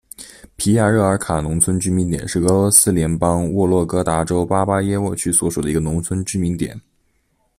皮亚热尔卡农村居民点是俄罗斯联邦沃洛格达州巴巴耶沃区所属的一个农村居民点。